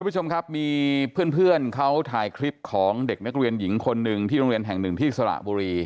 ผู้ชมครับมีเพื่อนเขาถ่ายคลิปของเด็กนักเรียนหญิงคนหนึ่งที่โรงเรียนแห่งหนึ่งที่สระบุรี